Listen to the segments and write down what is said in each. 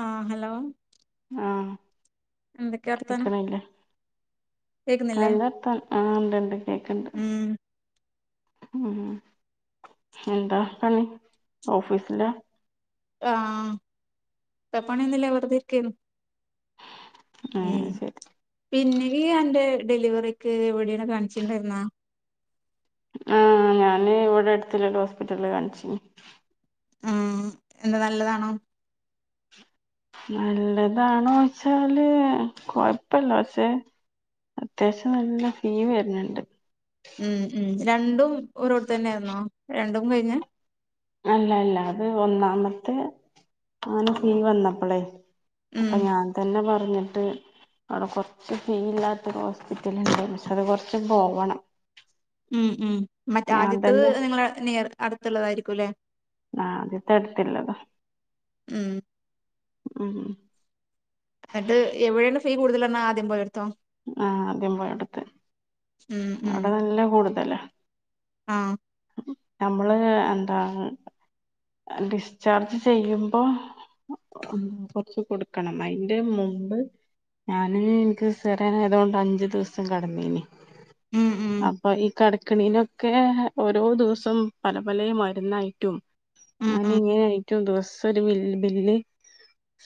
ആഹ് hello ആഹ് എന്തൊക്കെയാ അർത്ഥാനം അല്ലത്ത ആഹ് ഇണ്ട്ണ്ട് കേക്ണ്ട് ഉം ഉ എന്താ വർത്താനം ഓഫീസില ആഹ് ഇപ്പ പണിണൊന്നില്ല വെറുതെരിക്കെനു ഉം ആഹ് ശരി പിന്നെ ഈ അന്റെ ഡെലിവറിക്ക് എവിടെയാണ് കാണിച്ചിണ്ടായിരുന്ന ആഹ് ഞാന് ഇവിടെ അടുത്തരു ഹോസ്പിറ്റലില് കാണിച്ചിണി അഹ് എന്ത നല്ലതാണോ നല്ലതാണ വോച്ചാല് കൊഴപ്പല്ല പക്ഷേ അത്യാവശ്യം നല്ല ഫീ വരുന്നുണ്ട് ഉം ഉം രണ്ടും ഓരോത്ത തന്നെയായിന്നോ രണ്ടും കഴിഞ് അല്ല അല്ല അത് ഒന്നാമത്തെ അങ്ങനെഫീ വന്നപ്പോളെ ഉം അപ്പൊ ഞാൻ തന്നെ പറഞ്ഞിട്ട് അവിടെ കൊറച്ച് ഫീ ഇല്ലാത്തരു ഹോസ്പിറ്റലുണ്ട് പക്ഷെ അത് കൊറച്ച്ണ്ട് പോവണം ഉം ഉം മറ്റേ ഞാൻ ആദ്യത്തത് തന്നെ നിങ്ങള നീ അടുത്തുള്ളതായിരിക്കുംല്ലെ ആദത്ത് അടുത്തില്ലത ഉം ഉം ഉം എന്നിട്ട് എവിടെയാണ് ഫീ കൂടുതലന്നാ ആദ്യം പോയോട്ത്തോ ആഹ് ആദ്യം പോയ അടുത്ത് ഉം ഉം അവിടെ നല്ല കൂടുതല ആഹ് നമ്മള് എന്താണ് ഡിസ്ചാർജ് ചെയ്യുമ്പോ [unintelligible] കൊറച്ച് കൊടുക്കണം അയിന്റെ മുമ്പ് ഞാൻ എനിക്ക് സിസെരിയൻ ആയതോണ്ട് അഞ്ചു ദിവസം കടന്നിന് ഉം ഉം അപ്പൊ ഈ കടക്കണിനൊ ക്കെ ഓരോ ദിവസം പല പല മരുന്നായിറ്റും ഉം ഞാന ഉം ഇങ്ങനൊയിറ്റവും ദിവസം ഒരു ബില്ല്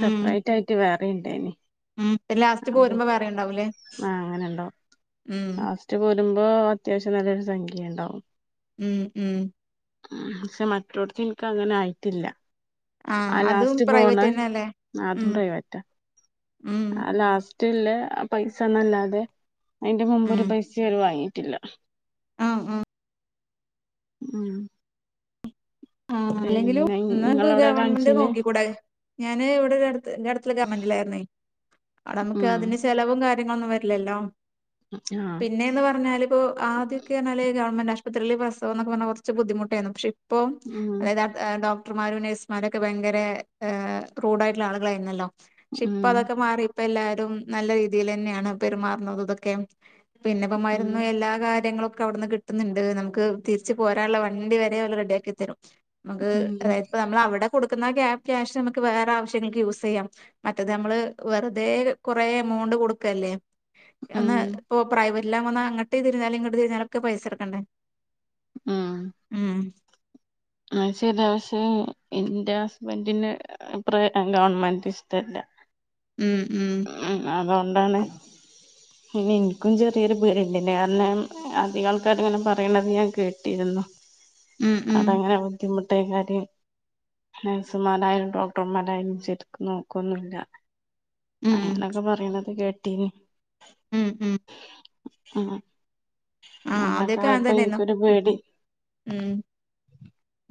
സെപ്പറേറ്റ് ആയിട്ട് വേറെണ്ടായിന് ഉം ലാസ്റ്റ് പോരുമ്പോ വേറെ ഇണ്ടാവൂല്ലേ ആഹ് അങ്ങനെ ഇണ്ടാവും ലാസ്റ്റ് പോരുമ്പോ അത്യാവശ്യം നല്ലൊരു സംഖ്യ ഇണ്ടാവും ഉം ഉം അഹ് പക്ഷെ മറ്റോടത്ത് എനക്ക് അങ്ങനെ ആയിറ്റില്ല ആ ആഹ് അതും ലാസ്റ്റ് പോണ പ്രൈവറ്റന്നെ അല്ലേ ആതും ഉം പ്രൈവറ്റ ഉം ആ ലാസ്റ്റ് ഇല്ലേ ആ പൈസന്നല്ലാതെ അയിന്റെ മുമ്പ് ഉം ഒരു പൈസിം ഓർ വാങ്ങിട്ടില്ല ആഹ് ആഹ് അഹ് ആഹ് അല്ലെങ്കിലും ന്നഇക്ക് ഇങ്ങളെവിടെ ഗവൺമെന്റ് കാണിച്ചീന് നോക്കിക്കൂടെ ഞാന് ഇവിടെരു അടു എന്റെ അടുത് ഗവമെന്റിലായിന്നേ അവിടെ നമുക്ക് ഉം അതിന് ചെലവും കാര്യങ്ങള ഒന്നും വരില്ലല്ലോ ആഹ് പിന്നെയെന്ന് പറഞ്ഞാല് ഇപ്പോ ആദ്യക്കെ പറഞ്ഞാൽ ഗവൺമെൻറ് ആശുപത്രിയിൽ പ്രസവം ന്നൊക്ക പറഞ്ഞാൽ കുറച്ച് ബുദ്ധിമുട്ടായിരുന്നു പക്ഷെ ഇപ്പോ ഉം അതായത് ഡോക്ടർമാരും നഴ്സമാരുമൊക്കെ ഭയങ്കര ഹെ റൂഡായിട്ടുള്ള ആളുകളായിരുന്നല്ലോ പക്ഷെ ഇപ്പൊ ഉം അതൊക്കെ മാറിപ്പോ എല്ലാരും നല്ല രീതിയിൽ തന്നെയാണ് പെരുമാറുന്നത് ഇതൊക്കെ പിന്നെയിപ്പം ഉം മരുന്ന് എല്ലാ കാര്യങ്ങളുമൊക്കെ അവിടുന്ന് കി ട്ടുന്നുണ്ട് നമുക്ക് തിരിച്ചു പോരാനുള്ള വണ്ടി വരെ ഓല് റെഡിയാക്കിത്തരും നമുക്ക് ഉം അതായത് ഇപ്പ നമ്മൾ അവിടെ കൊടുക്കുന്ന ക്യാഷ് നമുക്ക് വേറെ ആവശ്യങ്ങക്ക് യൂസ് ചെയ്യാം മറ്റത് നമ്മള് വെറുതെ കൊറെ എമൗണ്ട് കൊടുക്കല്ലേ ഒന്ന് ഉം [unintelligible] അങ്ങട്ട്തിരിഞ്ഞലും ഇങ്ങട്ട് തിരിഞ്ഞാലൊക്കെ പൈസ എടുക്കണ്ടേ ഉം ഉം അത് ശരിയാ പക്ഷെ എന്റെ ഹസ്ബൻ്റിന് പ്ര ഗവൺമെന്റ് ഇഷ്ടല്ല ഉം ഉം ഉം അതൊണ്ടാണ് ഉ [unintelligible] പിന്നെ എനിക്കും ചെറിയൊരു പേടിണ്ടില്ലേ കാരണം അധികം ആൾക്കാർ ഇങ്ങനെ പറയണത് ഞാൻ കേട്ടിരുന്നു ഉം ഉം അവിടെ അങ്ങനെ ബുദ്ധിമുട്ടേ കാര്യം നേഴ്സുമാരായാലും ഡോക്ടർമാരായാലും ശരിക്ക് നോക്കൊന്നില്ല ഉം അങ്ങനൊക്കെ പറയണത് കേട്ടീന് ഉം ഉം ആ ആ ആദ്യൊക്കെ അങ്ങനെ അങ്ങനൊക്കയപ്പ തന്നെയായിരുന്നു എനിക്കൊരു ഉം പേടി ഉം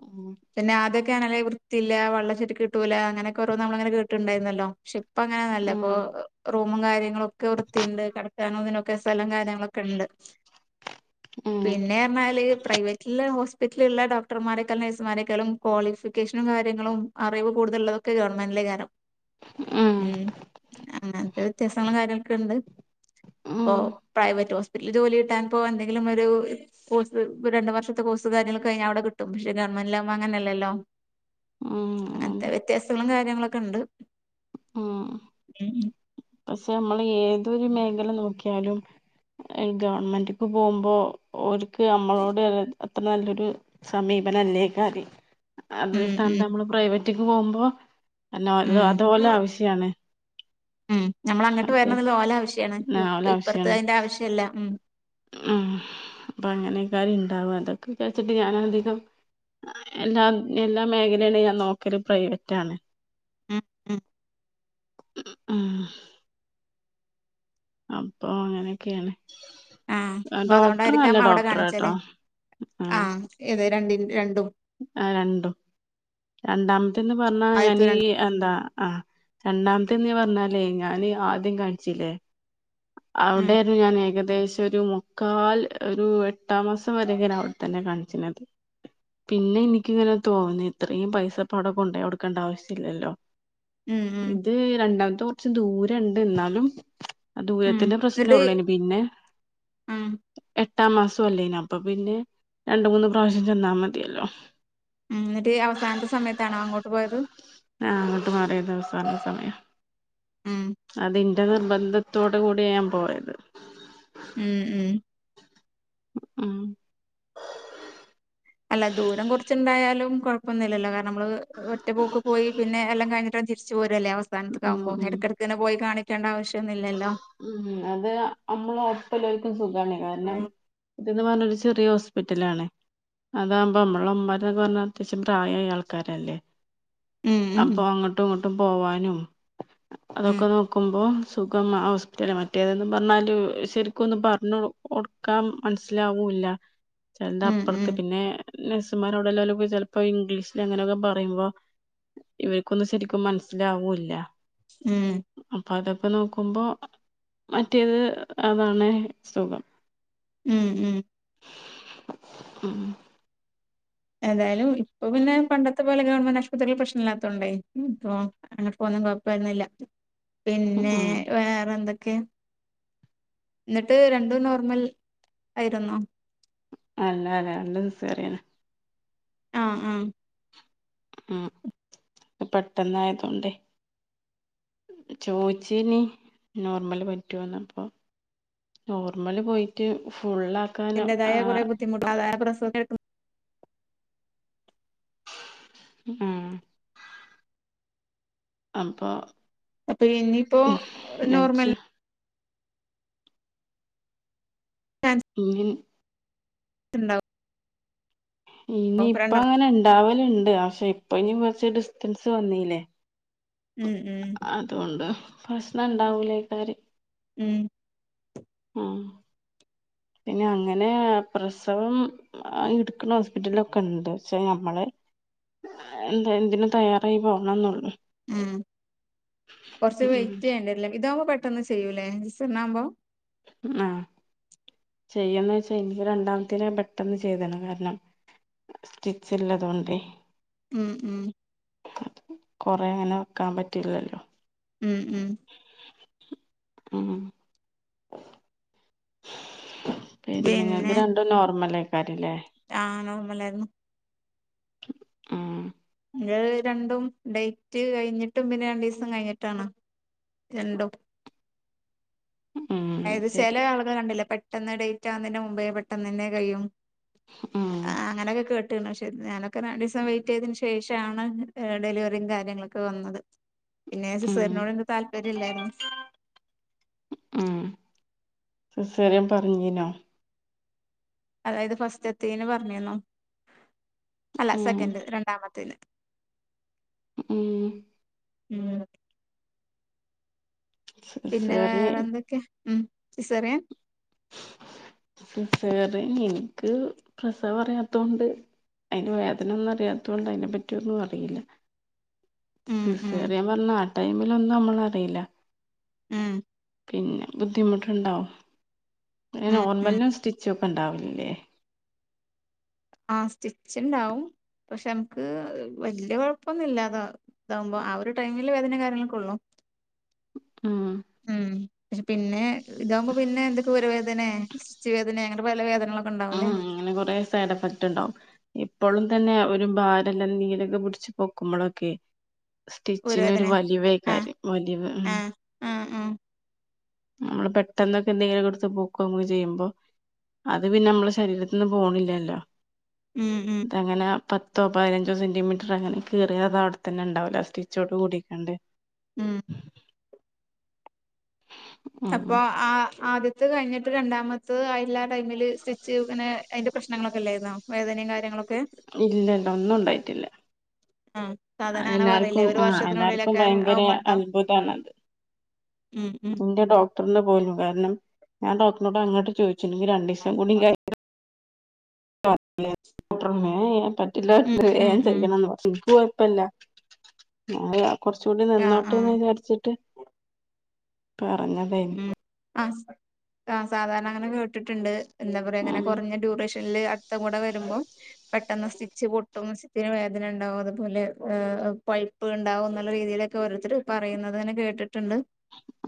ഉം പിന്നെ ആദ്യോക്കെ അങ്ങനെ വൃത്തില്ല വെള്ളം ശരിക്ക് കിട്ടൂല അങ്ങനെയൊക്കെ ഓരോ നമ്മളങ്ങനെ കേട്ട്ണ്ടാരുന്നല്ലോ പക്ഷെ ഇപ്പോ അങ്ങനെയൊന്നുല്ല ഇപ്പൊ ഉം റൂമും കാര്യങ്ങളൊക്കെ വൃത്തിയുണ്ട് കിടക്കാനോതിനൊക്കെ സ്ഥലം കാര്യങ്ങളൊക്കെണ്ട് ഉം പിന്നെ എന്നാല് പ്രൈവറ്റില് ഹോസ്പിറ്റല്ള്ള ഡോക്ടർമാരെക്കാളും നേ മാരേക്കാളും ക്വാളിഫിക്കേഷനും കാര്യങ്ങളും അറിവ് കൂടുതലുള്ളതൊക്കെ ഗവൺമെന്റിലെ കാരൊം ഉം അങ്ങൻത്തെ വ്യത്യാസങ്ങളും കാര്യങ്ങളൊക്കെ ഇണ്ട് പ്പൊ ഉം പ്രൈവറ്റ് ഹോസ് ജോലി കിട്ടാൻപ്പോ എന്തെങ്കിലും ഒരു കോഴ്സ് രണ്ടു വർഷത്തെ കോഴ്സ് കാര്യങ്ങൾക്കെ കഴിഞ്ഞാൽ അവിടെ കിട്ടും പക്ഷെ ഗവൺമെന്റ്ലാകുമ്പോ അങ്ങനലല്ലോ ഉം അങ്ങൻത്തെ അതെ വ്യത്യാസങ്ങളും കാര്യങ്ങളൊക്കെ ഇണ്ട് ഉം പക്ഷെ നമ്മള് ഏതൊരു മേഖല നോക്കിയാലും ഗവൺമെന്റ്ക്ക് പോമ്പോ ഓർക്ക് നമ്മളോട് അത്ര നല്ലൊരു സമീപനം അല്ലേകാരി അത് ഉം സ്ഥാനത്ത് ഉം നമ്മള് പ്രൈവറ്റ്ക്ക് പോമ്പോ അതുപോലെ ഉം ആവശ്യാണ് ഉം ഞമ്മള് അങ്ങട്ട് മറ്റേ വരണത് ഓല ആവശ്യാണ് ഓലെ ഇപ്പുറത്ത് ആവശ്യാണ് അയ്ന്റെ ആവശ്യല്ല ഉം ഉം അപ്പൊ അങ്ങനെക്കാര് ഇണ്ടാവും അതൊക്കെ വിചാരിച്ചിട്ട് ഞാൻ അധികം എല്ലാ എല്ലാ മേഖലയില് ഞാൻ നോക്കിയത് പ്രൈവറ്റ് ആണ് ഉം ഉം ഉം അപ്പൊ അങ്ങനെയൊക്കെയാണ് ആ അപ്പൊ ഡോക്ടർ നല്ല അതൊണ്ടായിരിക്കാം അവിടെ കാണിച്ചാല് ഡോക്ടറാട്ടോ ആ ഇത് രണ്ട് രണ്ടും ആ രണ്ടും രണ്ടാമത്തെന്ന് പറഞ്ഞാ ആദ്യത്തെ ഞാനീ രണ്ടും എന്താ ആ രണ്ടാമത്തെന്ന് പറഞ്ഞാലേ ഞാന് ആദ്യം കാണിച്ചില്ലേ ഉം അവിടേരുന്നു ഞാൻ ഏകദേ ഒരു മുക്കാൽ ഒരു എട്ടാം മാസം വരെക്കേന അവിടെ തന്നെ കാണിച്ചിനത്. പിന്നെ ഇനിക്കിങ്ങനെ തോന്നി ഇത്രയും പൈസ പാട കൊണ്ടേ കൊടുക്കേണ്ട ആവശ്യല്ല്യല്ലോ. ഉം ഉം ഇത് രണ്ടാമത്തെ കൊറച്ച് ദൂരണ്ട് എന്നാലും. ഉം ദൂരത്തിന്റെ എന്നിട്ട് പ്രശ്നൊള്ളേനി പിന്നെ. ഉം എട്ടാം മാസല്ലേന അപ്പൊ പിന്നെ രണ്ട് മൂന്ന് പ്രാവശ്യം ചെന്നാ മതിയല്ലോ. ഉം എന്നിട്ട് അവസാനത്തെ സമയത്താണോ അങ്ങോട്ട് പോയത്. ആഹ് അങ്ങട്ട് മാറിയതവസാന സമയ. ഉം. അതിന്റെ നിർബന്ധത്തോട് കൂടിയ ഞാൻ പോയത്. ഉം ഉം. ഉം. എല്ല ദൂരം കുറച്ച്ണ്ടായാലും കൊഴപ്പൊന്നുല്ലല്ലോ കാരണം നമ്മള് ഒറ്റപോക്ക് പോയി പിന്നെ എല്ലാം കഴിഞ്ഞിട്ട് തി ച്ചൂരല്ലേ ഉം അവസാനത്തക്കാവുമ്പോ ഉം എടക്കെടക്ക്ങ്ങനെ പോയി കാണീക്കേണ്ട ആവശ്യം ഒന്നില്ലല്ലോ. ഉം അത് അമ്മള് അട്ത്ള്ളോൽക്ക്‌ സുഖാണ് കാരണം ഉം ഇതൊരു നല്ലൊരു ചെറിയ ഹോസ്പിറ്റലാണ്. അതാവുമ്പോ അമ്മളെ ഇമ്മാര്ന്ന് പർഞാ അത്യാശ്യം പ്രായായ ആൾക്കാരല്ലേ. ഉം അപ്പൊ ഉം അങ്ങട്ടു ഇങ്ങട്ടു പോവാനും അതൊക്കെ നോക്കുമ്പോ സുഖം ആ ഹോസ്പിറ്റല മറ്റേതെന്ന് പറഞ്ഞാല് ശരിക്കൊന്ന് പർഞ്ഞു കൊടുക്കാം മൻസ്സിലാവൂല്ല ചെൽത് ഉം അപ്പർത്ത് ഉം പിന്നെ നെസ്സുമാരോടെല്ലാലുപ്പ ചെൽപ്പോ ഇംഗ്ലീഷില് അങ്ങനെയൊക്കെ പറയുമ്പോ ഇവര്ക്കൊന്നും ശരിക്കും മൻസ്സിലാവൂല്ല. ഉം. അപ്പൊ അത അപ്പൊ നോക്കുമ്പോ മറ്റേത് അതാണ് സുഖം. ഉം ഉം. ഉം. ഏതായ്ലും ഇപ്പൊ പിന്നെ പണ്ടത്തെ പോലെ ഗവൺമെന്റ് ആശുപത്രി പ്രശ്നല്ലാത്തോണ്ടേ പോവാം ഇഞ്ഞിപ്പൊന്നും കൊഴപ്പാന്നില്ല പിന്നെ ഉം വേറെ എന്തൊക്കെ ഇന്നിട്ട് രണ്ടും നോർമൽ ആയിരുന്നോ. അല്ല അല്ല രണ്ടു സിസേറിയന. ആഹ് ആഹ്. ഉം ഇത് പെട്ടെന്നായതൊണ്ടേ. ചോയ്ച്ചിനി നോർമല് പറ്റോന്ന് അപ്പൊ നോർമല് പോയിറ്റ് ഫുള്ള അയിന്റേതായ കുറെ ബുദ്ധിമുട്ട് അതായത് പ്രസവം ഉം. അപ്പോ അപ്പൊ ഇനിപ്പൊ അച്ചു നോർമൽ ചാൻസ് ഇല്ലെ ഇണ്ടാവും ഇനിയിപ്പ രണ്ടെണ്ണം അങ്ങനെ ഇണ്ടാവല്ണ്ട് പക്ഷെ ഇപ്പ ഇനി കൊറച്ച് ഡിസ്റ്റൻസ് വന്നീലെ. ഉ ഉം. അതോണ്ട പ്രശ്നണ്ടാവൂലേക്കാര്. ഉം. ഉം പിന്നെ അങ്ങനെ പ്രസവം അഹ് ഇട്ക്കണ ഹോസ്പിറ്റലൊക്കെണ്ട് പക്ഷെ നമ്മളെ. എന്താ എന്തിനു തയ്യാറായി പോവണംന്നൊള്ളു. ഉം കൊർച്ച് വെയ്റ്റ് ചെയ്യേണ്ടരില്ല ഇതാവുമ്പോ പെട്ടന്ന് ചെയ്യൂലേ [unintelligible] ആകുമ്പോ ആഹ് ചെയ്യന്ന് വെച്ചാൽ എനിക്ക് രണ്ടാമത്തെല് പെട്ടന്ന് ചെയ്ത്ണ് കാര്ണം സ്റ്റിച്ച് ഇല്ലതാേണ്ടേ ഉം ഉം കൊറെ ഇങ്ങനെ വെക്കാം പറ്റില്ലല്ലോ ഉം ഉം ഉം പിന്നെ ഇങ്ങക്ക് രണ്ടും നോർമലൈക്കാരംല്ലേ ആഹ് നോർമലായിരുന്നു ആഹ് ഇന്റത് രണ്ടും ഡേറ്റ് കയിഞ്ഞിട്ടും പിന്നെ രണ്ടീസം കയിഞ്ഞിട്ടാണ് രണ്ടും ഉം അതായത് ശരി ചെല ആളുകള് കണ്ടില്ലെ പെട്ടെന്ന് ഡേറ്റ് ആവുന്നതിന്റെ മുമ്പേ പെട്ടെന്ന് എന്നെ കയ്യും ഉം ആഹ് അങ്ങനെയൊക്കെ കേട്ട ഇട്ട്ണ് പക്ഷെ ഞാനൊക്കെ രണ്ടിസം വെയിറ്റ് ചെയ്തതിന് ശേഷാണ് ഹ് ഡെലിവറിം കാര്യങ്ങളൊക്കെ വന്നത് പിന്നെ ഉം സിസേറിനോട് എനിക്ക് താല്പര്യം ഇല്ലായിരുന്നു ഉം സിസേറിയൻ പറഞ്ഞീനൊ അതായത് ഫസ്റ്റ്ത്തൈന് പർണീന്നു അല്ല ഉം സെക്കന്റ് രണ്ടാമത്തൈന് ഉം ഏഹ് പിന്നെ വേറെ സിസേറിയൻ എന്തൊക്കെ ഉം പിസേറിയൻ സിസേറിയൻ എനിക്ക് പ്രസവം അറിയാത്തോണ്ട് അതിന്റെ വേദന ഒന്നും അറിയാത്തോണ്ട് അതിനെ പറ്റിയൊന്നും അറിയില്ല ഉം ഉം സിസേറിയം പർണാ ആ ടൈമിലൊന്നും അമ്മള് അറീല്ല ഉം പിന്നെ ബുദ്ധിമുട്ട് ഇണ്ടാവും പിന്നെ ഉം ഉം നോർമൽനും സ്റ്റിച്ചൊക്കെ ഇണ്ടാവലില്ലേ ആഹ് സ്റ്റിച്ച് ഇണ്ടാവും പക്ഷെ ഇംക്ക് വല്യ കാെയപ്പൊന്നുല്ല അതാവ് ഇതാവുമ്പൊ ആ ഒരു ടൈമില് വേദനിം കാര്യങ്ങളൊക്കെ ഒള്ളു ഉം ഉം പക്ഷെ പിന്നെ ഇതാവുമ്പൊ പിന്നെ എന്തൊക്കെ ഊരവേദനേ സ്റ്റിച്ച് വേദനേ എങ്ങട്ട് പോയാലാ വേദനകളൊക് ആഹ് അങ്ങനെ കൊറേ സൈഡ് എഫക്ട് ഇണ്ടാവും ഇപ്പളും തന്നെ ഒരു ഭാരല്ല നീലൊക്കെ പുടിച്ച് പൊക്കുമ്പളൊക്കേയ് സ്റ്റിച്ചിനൊരു ഊരവേദന വലിവ് ആഹ് എയ്കാര്യം വലിവ് ഉം ആഹ് ആഹ് ആഹ് നമ്മള് പെട്ടെന്നൊക്കെ എന്തെങ്കിലും ഒക്കെ ഇട്ത്ത് പൊർത്ത് അറങ്ങാെക്കെചെയ്യ ചെയ്യുമ്പൊ അത് പിന്നെ അമ്മളെ ശരീരത്ത്ന്ന് പോണില്ലല്ലോ ഉം ഉം എങ്ങനാ പത്തോ പയ്നഞ്ചോ സെൻറിമീറ്ററ് അങ്ങനെ കീറിയതാവ്ട്ത്തെന്നെ ഇണ്ടാവൂല സ്റ്റിച്ചോട് കൂടിക്കാണ്ട് ഉം അപ്പൊ ഉം ആഹ് ആദ്യത്ത്യത് കഴിഞ്ഞിട്ട് രണ്ടാമത്തത് അയില്ലാ ടൈമില് സ്റ്റിച്ച് ഇങ്ങനെ അയിന്റെ പ്രശ്നങ്ങളൊക്കെ എല്ലായിരുന്നോ വേദനിം കാര്യങ്ങളൊക്കെ ഇല്ലല്ല ഒന്നും ഇണ്ടായിറ്റില്ല ഉം സാധാരന അങ്ങനെ പറയലില്ലേ ഒരു ആ എല്ലാർക്കും വർഷത്തിനുള്ളിലൊക്കെ ഭയങ്കര ആവുമ്പൊ ഇണ്ടാവും ആഹ് അത്ഭുതാണത് ഉം ഉം ഇത്രണ്ണാപോയൊല്ലും കാരണം ഞാൻ ഡോക്ടറ്നാേട് അങ്ങട്ട് പോയിച്ചു ഇഞ്ഞ് രണ്ടീസം കൂടിം കഴിഞ്ഞാ ല് പറ്റില്ലേന്ന് അപ്പൊ ഡോകടർ പറഞ്ഞു ഏഹ് പറ്റില്ലാ ഉം പറഞ്ഞു ഉം വേം ഉം ചെയ്യണംന്ന് പറഞ്ഞ് പക്ഷെ ഇക്ക് കൊയപ്പല്ല ഞാനത് കൊർച്ചുംകൂടി ആഹ് ആഹ് നിന്നോട്ടേന്ന് വിചാരിച്ചിട്ട് പറഞ്ഞതേ ഉം ആഹ് താ സാധാരണ അങ്ങനെ കേട്ട്ട്ട്ണ്ട് എന്താ പറയാ ഇങ്ങനെ ഉം കാെറഞ്ഞ ട്യൂറേഷൻ ട്ടില്ല് അട്ത്തകൂടെ വെരുമ്പം പെട്ടെന്ന് സ്റ്റിച്ച് പൊട്ടും സ്റ്റിച്ചിന് വേദന ഉണ്ടാകും അതുപോലെ ഈഹ് പയ് പയ്പ്പ്ണ്ടാവും എന്നുള്ള രീതിയിലൊക്കെ ഓരോര്ത്തര് പറയുന്നതൊക്കെ കേട്ടിട്ടുണ്ട്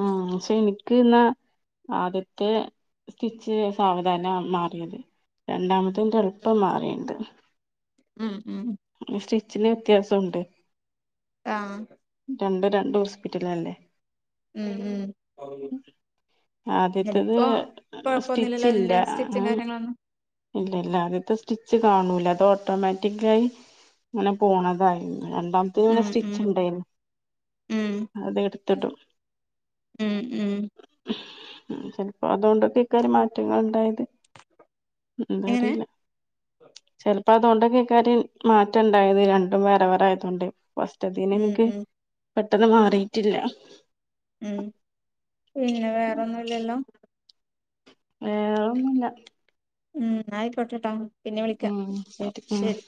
ആഹ് പക്ഷെ എനിക്ക്ന്നാ ആദ്യത്തെ സ്റ്റിച്ച് സാവധാന മാറിയത് രണ്ടാമത്ത്ന്റെ എള്പ്പം മാറിണ്ട് ഉം ഉം സ്റ്റിച്ചിന് വ്യത്യാസുണ്ട് ആഹ് രണ്ടും രണ്ട് ഹോസ്പിറ്റലല്ലേ ഉം ഉം ആദ്യത്തത് എന്നിട്ടിപ്പോ സ്റ്റിച്ച് കൊഴപ്പൊന്നുമില്ലല്ലോ ഇല്ല അതിന്റെ സ്റ്റിച്ചും ആഹ് കാര്യങ്ങളൊന്നും ഇല്ല ഇല്ല ആദ്യത്തെ സ്റ്റിച്ച് കാണൂല അത് ഓട്ടോമാറ്റിക്കായി അങ്ങനെ പോണതായിര്ന്ന് രണ്ടാമത്തേന് പിന്നെ ഉം സ്റ്റിച്ച് ഉം ഇണ്ടേയ്ര്ന്നു ഉം അത് എട്ത്ത്ടും ഉം ഉം ചിലപ്പോ അതൊണ്ടൊക്കെയ്ക്കാരം മാറ്റങ്ങള്ണ്ടായത് എന്താ എങ്ങനെ അറീല ചെിലപ്പോ അത് ഉണ്ടെങ്കി കാര്യം മാറ്റം ഉണ്ടായത് രണ്ടും വേറെ വേറ ആയതൊണ്ട് ഫസ്റ്റത്തിന് ഉം ഇന്ക്ക് ഉം പെട്ടെന്ന് മാറിയിറ്റില്ല ഉം പിന്നെ വേറെൊന്നുംല്ലല്ലോ ഏഹ് വേറൊന്നൂല്യ ഉം ഇന്നാ ആയ്ക്കൊട്ടേട്ടോ പിന്നെ വിളിക്ക ഉം ഓഹ് ശരി ഉം ശെരി